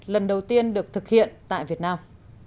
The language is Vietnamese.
lần đầu tiên được thực hiện tại việt nam